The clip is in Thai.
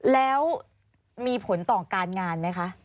แล้วมีผลต่อการงานไหมคะ